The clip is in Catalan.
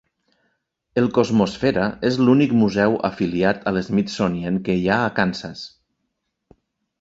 El Cosmosfera és l'únic museu afiliat al Smithsonian que hi ha a Kansas.